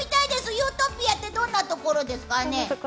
ユートピアってどんなところですかね？